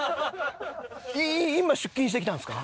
今出勤してきたんですか？